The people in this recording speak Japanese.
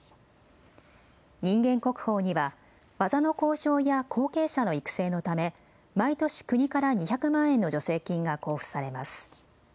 人間国宝には技の向上や後継者の育成のため毎年、国から２００万円の助成金が交付されます。